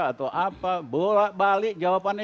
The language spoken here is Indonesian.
atau apa bolak balik jawabannya